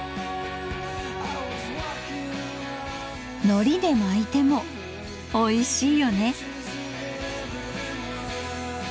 のりで巻いてもおいしいよね。